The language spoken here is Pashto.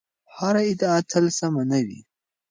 هره ادعا تل سمه نه وي.